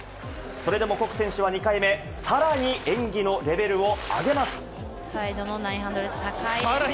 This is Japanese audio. それでも谷選手は２回目、さらに演技のレベルを上げます。